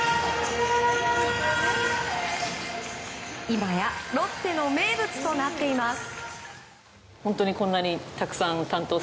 今やロッテの名物となっています。